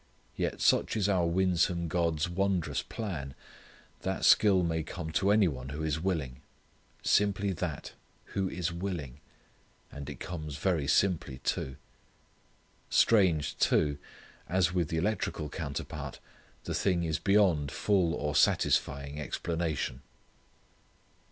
Yet such is our winsome God's wondrous plan that skill may come to any one who is willing; simply that who is willing; and it comes very simply too. Strange too, as with the electrical counterpart, the thing is beyond full or satisfying explanation.